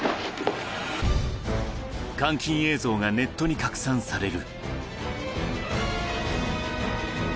監禁映像がネットに拡散される。